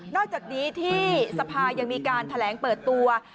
อกจากนี้ที่สภายังมีการแถลงเปิดตัว